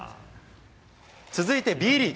続いてＢリーグ。